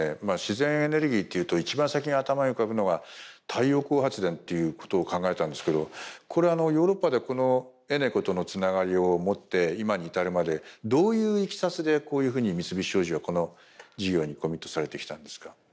まあ自然エネルギーというと一番先に頭に浮かぶのが太陽光発電ということを考えたんですけどこれヨーロッパでこのＥｎｅｃｏとのつながりを持って今に至るまでどういういきさつでこういうふうに三菱商事はこの事業にコミットされてきたんですか？